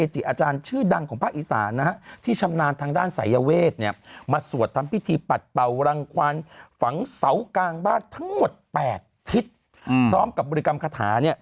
ทั้งหมด๘ทิศพร้อมกับบริกรรมคาถาเนี่ย